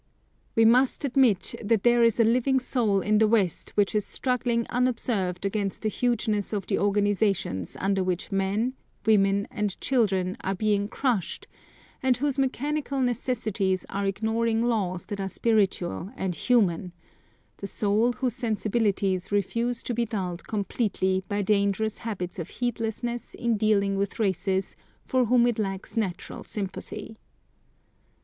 We must admit that there is a living soul in the West which is struggling unobserved against the hugeness of the organisations under which men, women and children are being crushed, and whose mechanical necessities are ignoring laws that are spiritual and human, the soul whose sensibilities refuse to be dulled completely by dangerous habits of heedlessness in dealings with races for whom it lacks natural sympathy.